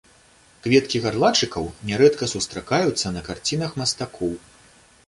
Кветкі гарлачыкаў нярэдка сустракаюцца на карцінах мастакоў.